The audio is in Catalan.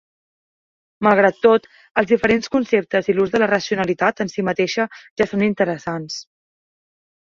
Malgrat tot, els diferents conceptes i l'ús de la "racionalitat" en sí mateixa ja són interessants.